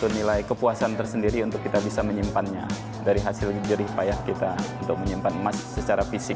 nilai kepuasan tersendiri untuk kita bisa menyimpannya dari hasil jerih payah kita untuk menyimpan emas secara fisik